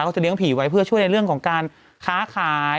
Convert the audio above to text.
จะเลี้ยผีไว้เพื่อช่วยในเรื่องของการค้าขาย